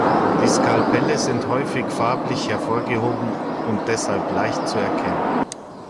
Die Skalpelle sind häufig farblich hervorgehoben und deshalb leicht zu erkennen.